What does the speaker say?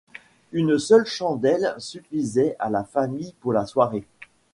Une seule chandelle suffisait à la famille pour la soirée.